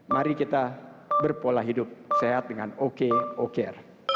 mari kita bergaya hidup sehat dengan ok okr